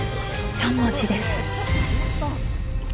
３文字です。